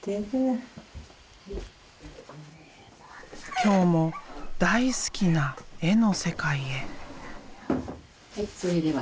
今日も大好きな絵の世界へ。